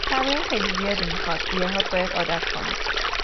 تمرین خیلی زیادی میخواد ریههات باید عادت کنن